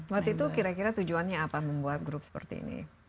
waktu itu kira kira tujuannya apa membuat grup seperti ini